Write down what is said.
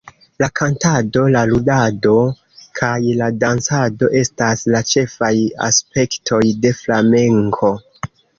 La kantado, la ludado kaj la dancado estas la ĉefaj aspektoj de flamenko.